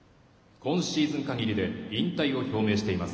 今シーズン限りで引退を表明しています。